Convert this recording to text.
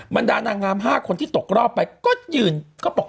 ดานางงาม๕คนที่ตกรอบไปก็ยืนก็บอก